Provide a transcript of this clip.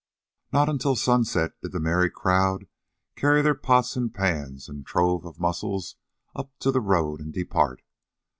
Not until sunset did the merry crowd carry their pots and pans and trove of mussels up to the road and depart.